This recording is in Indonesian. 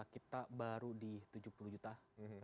kita baru di tujuh puluh juta ketika sekarang sekitar seratus